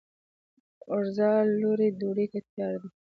اورځلا لورې! ډوډۍ تیاره ده؟